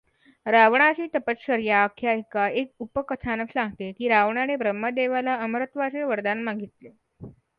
रावणाची तपश्चर्या आख्यायिका एक उपकथानक सांगते की रावणाने ब्रह्मदेवाला अमरत्वाचे वरदान मागितले.